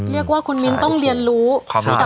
เรียกว่าคุณมีนต้องเรียนรู้ความแม่น